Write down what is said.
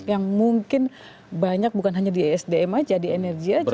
yang mungkin banyak bukan hanya di isdm saja di energi saja